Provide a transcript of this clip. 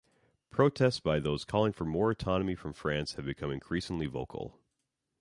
Protests by those calling for more autonomy from France have become increasingly vocal.